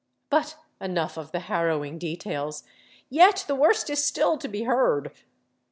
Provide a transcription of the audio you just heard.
But enough of the harrowing details ! Yet the worst is still to be heard.